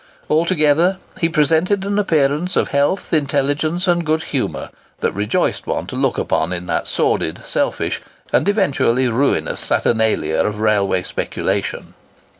Altogether, he presented an appearance of health, intelligence, and good humour, that rejoiced one to look upon in that sordid, selfish and eventually ruinous saturnalia of railway speculation.